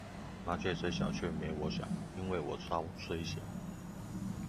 麻雀雖小卻沒我小，因為我超雖小